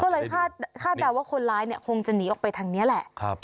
ก็เลยคาดคาดดาวว่าคนร้ายเนี้ยคงจะหนีออกไปทางเนี้ยแหละครับ